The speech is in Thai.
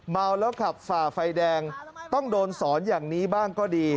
เมาแล้วขับฝ่าไฟแดงต้องโดนสอนอย่างนี้บ้างก็ดี